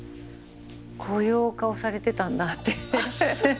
こういうお顔されてたんだって。